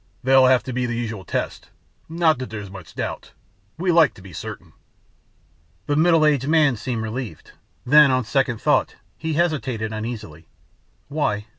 There'll have to be the usual tests. Not that there's much doubt ... we like to be certain." The middle aged man seemed relieved. Then, on second thought, he hesitated uneasily, "Why?